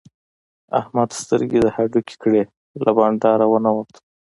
احمد سترګې د هډوکې کړې؛ له بانډاره و نه وت.